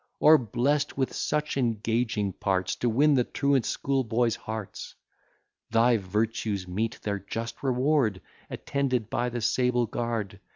Or blest with such engaging parts To win the truant schoolboys' hearts! Thy virtues meet their just reward, Attended by the sable guard.